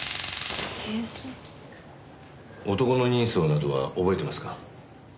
男の人相などは覚えてますか？